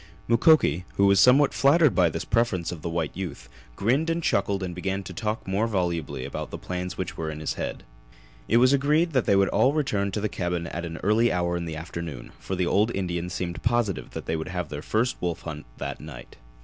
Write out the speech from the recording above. Mukoki, who was somewhat flattered by this preference of the white youth, grinned and chuckled and began to talk more volubly about the plans which were in his head. It was agreed that they all would return to the cabin at an early hour in the afternoon, for the old Indian seemed positive that they would have their first wolf hunt that night.